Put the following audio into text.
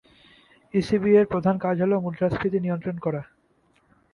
ইসিবি-এর প্রধান কাজ হল মুদ্রাস্ফীতি নিয়ন্ত্রণে রাখা।